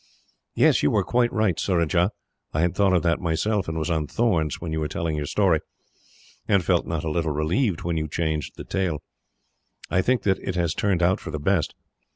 "Yes, you were quite right, Surajah. I had thought of that myself, and was on thorns when you were telling your story, and felt not a little relieved when you changed the tale. I think that it has turned out for the best.